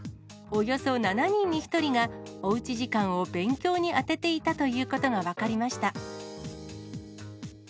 およそ７人に１人が、おうち時間を勉強に充てていたということが分かりました。